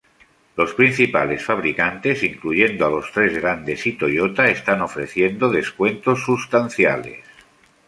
Los principales fabricantes, incluyendo a los Tres Grandes y Toyota, están ofreciendo descuentos sustanciales.